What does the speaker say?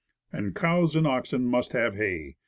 And cows and oxen must have hay.